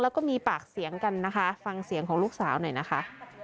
แล้วก็มีปากเสียงกันนะคะฟังเสียงของลูกสาวหน่อยนะคะ